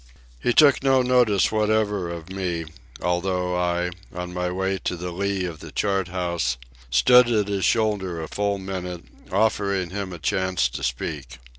He took no notice whatever of me, although I, on my way to the lee of the chart house, stood at his shoulder a full minute, offering him a chance to speak.